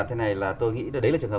thế này là tôi nghĩ đấy là trường hợp